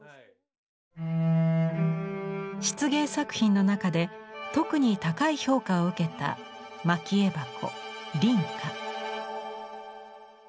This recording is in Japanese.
漆芸作品の中で特に高い評価を受けた蒔絵箱「凛花」。